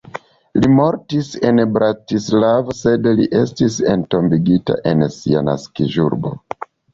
Li mortis en Bratislavo, sed li estis entombigita en sia naskiĝurbo.